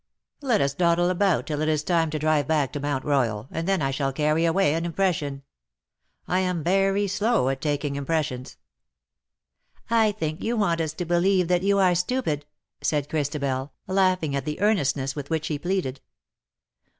Let us dawdle about till it is time to drive back to Mount Royal, and then I shall carry away an impression. I am very slow at taking impressions." ^^ I think you want us to believe that you are stupid/'' said Christabel, laughing at the earnestness with which he pleaded.